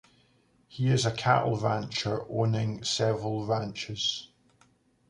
He is a cattle rancher, owning several ranches.